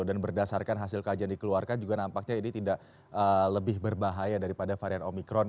dan berdasarkan hasil kajian dikeluarkan juga nampaknya ini tidak lebih berbahaya daripada varian omikron